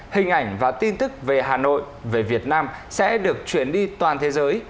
hình ảnh và tin tức về hà nội về việt nam sẽ được chuyển đi toàn thế giới